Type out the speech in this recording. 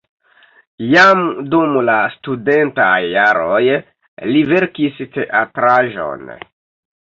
Jam dum la studentaj jaroj li verkis teatraĵon.